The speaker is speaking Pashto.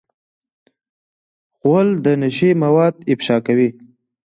غول د نشې مواد افشا کوي.